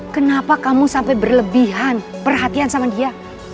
kenapa kamu sampai berlebihan perhatian sama dia